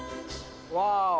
ワオ。